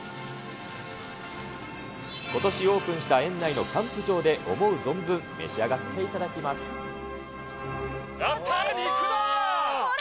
ことしオープンした園内のキャンプ場で思う存分召し上がっていたやったー、肉だ！